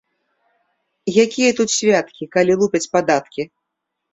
Якія тут святкі, калі лупяць падаткі